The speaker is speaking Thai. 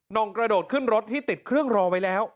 องกระโดดขึ้นรถที่ติดเครื่องรอไว้แล้ว